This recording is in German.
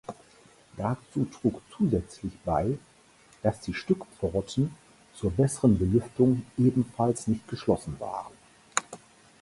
Dazu trug zusätzlich bei, dass die Stückpforten zur besseren Belüftung ebenfalls nicht geschlossen waren.